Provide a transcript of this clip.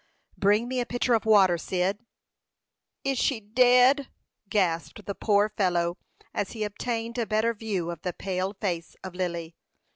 "Bring me a pitcher of water, Cyd." "Is she dead?" gasped the poor fellow, as he obtained a better view of the pale face of Lily.